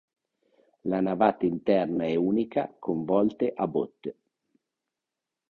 La navata interna è unica con volte a botte.